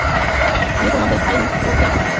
আমি তোমাকে হাই বলতেই আসছিলাম।